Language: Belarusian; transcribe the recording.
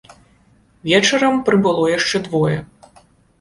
Вечарам прыбыло яшчэ двое.